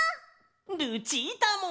ルチータも！